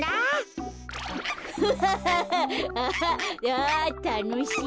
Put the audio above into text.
あたのしい。